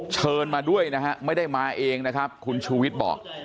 เชิญมาด้วยนะฮะไม่ได้มาเองนะครับคุณชูวิทย์บอก